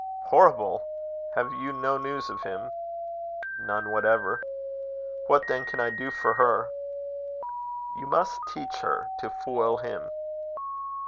"Horrible! Have you no news of him?" "None whatever." "What, then, can I do for her?" "You must teach her to foil him."